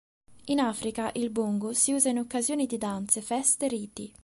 In Africa il bongo si usa in occasione di danze, feste e riti.